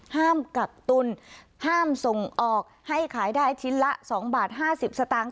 ห้ามกัดตุ้นห้ามส่งออกให้ขายได้ชิ้นละสองบาทห้าสิบสตางค์